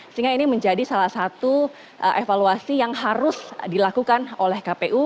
sehingga ini menjadi salah satu evaluasi yang harus dilakukan oleh kpu